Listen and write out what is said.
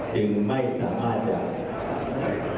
จึงไม่สามารถจะ